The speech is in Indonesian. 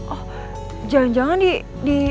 oh jangan jangan di